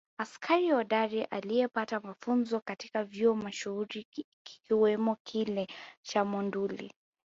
Askari hodari aliyepata mafunzo katika vyuo mashuhuri kikiwamo kile cha Monduli